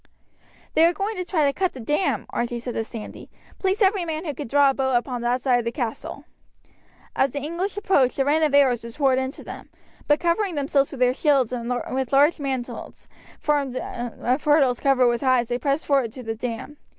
"They are going to try to cut the dam," Archie said to Sandy; "place every man who can draw a bow on that side of the castle." As the English approached a rain of arrows was poured into them, but covering themselves with their shields and with large mantlets formed of hurdles covered with hides they pressed forward to the dam.